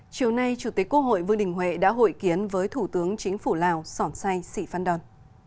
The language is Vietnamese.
chiều nay chủ tịch quốc hội vương đình huệ đã hội kiến với thủ tướng chính phủ lào sòn say sì phan đòn